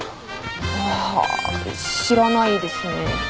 あ知らないですね。